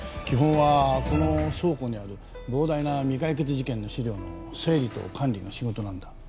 基本はこの倉庫にある膨大な未解決事件の資料の整理と管理が仕事なんだ。